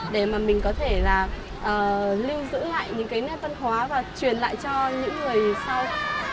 để mà mình có thể là lưu giữ lại những cái nét văn hóa và truyền lại cho những người sau ạ